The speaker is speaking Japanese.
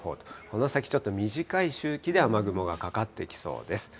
この先ちょっと短い周期で、雨雲がかかってきそうです。